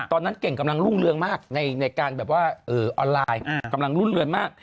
ตอนนั้นเก่งกำลังรุ่งเรืองมากในการแบบว่าออนไลน์กำลังรุ่นเรือนมาก